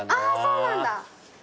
そうなんだ。